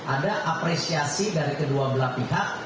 ada apresiasi dari kedua belah pihak